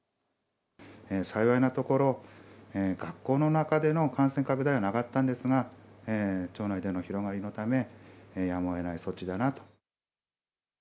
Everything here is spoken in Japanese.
幸いなところ、学校の中での感染拡大はなかったんですが、町内での広がりのため、やむをえない措置だなと。